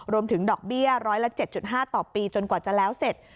รวมถึงดอกเบี้ยร้อยละ๗๕ต่อปีจนกว่าจะแล้วเสร็จ